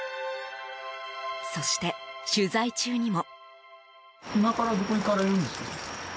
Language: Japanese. そして、取材中にも。